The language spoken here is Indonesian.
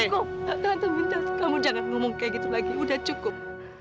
sudah cukup tante minta kamu jangan ngomong kayak gitu lagi sudah cukup